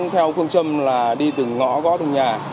theo phương châm là đi từng ngõ gõ từng nhà